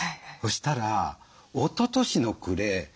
そしたらおととしの暮れ